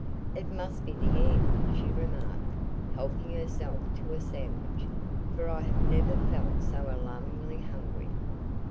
"It must be the air," she remarked, helping herself to a sandwich, "for I have never felt so alarmingly hungry."